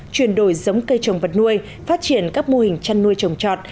chuyển đổi giống cây trồng vật nuôi phát triển các mô hình chăn nuôi trồng trọt